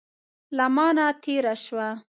له مانه تېره شوه.